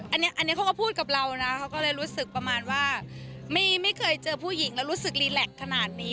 อันนี้เขาก็พูดกับเรานะเขาก็เลยรู้สึกประมาณว่าไม่เคยเจอผู้หญิงแล้วรู้สึกรีแล็กขนาดนี้